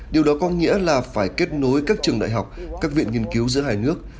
điều đó có nghĩa là phải kết nối các trường đại học các viện nghiên cứu giữa hai nước